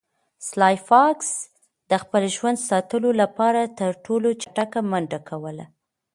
سلای فاکس د خپل ژوند ساتلو لپاره تر ټولو چټکه منډه کوله